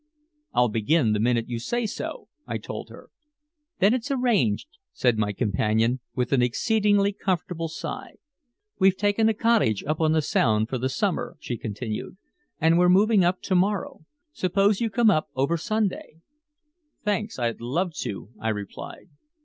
"I'll begin the minute you say so," I told her. "Then it's arranged," said my companion, with an exceedingly comfortable sigh. "We've taken a cottage up on the Sound for the summer," she continued. "And we're moving up to morrow. Suppose you come up over Sunday." "Thanks. I'd love to," I replied.